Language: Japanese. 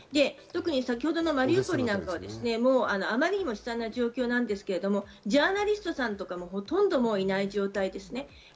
先程のマリウポリなんかは、あまりにも悲惨な状況なんですけれどもジャーナリストさんとかもほとんど、もういない状態です。